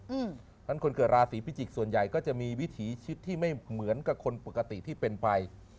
เพราะฉะนั้นคนเกิดราศีพิจิกษ์ส่วนใหญ่ก็จะมีวิถีชีวิตที่ไม่เหมือนกับคนปกติที่เป็นไป